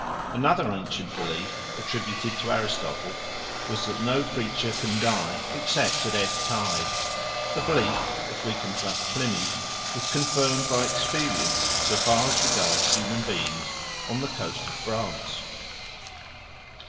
Another ancient belief, attributed to Aristotle, was that no creature can die except at ebb tide. The belief, if we can trust Pliny, was confirmed by experience, so far as regards human beings, on the coast of France.